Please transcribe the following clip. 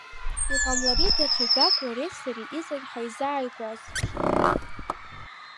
Иҟамлари даҽажәак уареи сареи иҵагь ҳаизааигәазтәша.